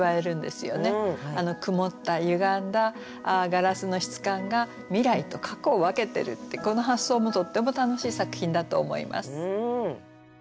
曇ったゆがんだガラスの質感が未来と過去を分けてるってこの発想もとっても楽しい作品だと思います。